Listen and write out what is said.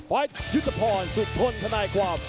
ภาพยุตภัณฑ์สุธนธนาความ